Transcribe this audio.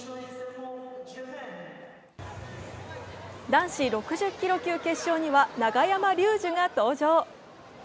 男子６０ｋｇ級決勝には永山竜樹が登場。